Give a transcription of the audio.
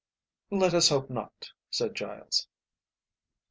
"Let us hope not," said Giles.